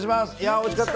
おいしかった！